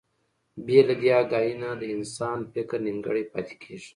بې له دې اګاهي نه د انسان فکر نيمګړی پاتې کېږي.